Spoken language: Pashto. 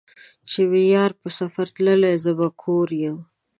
چې مې يار په سفر تللے زۀ به کور يم